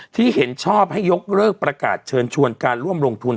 ที่เห็นชอบให้ยกเลิกประกาศเชิญชวนการร่วมลงทุน